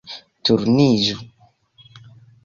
- Turniĝu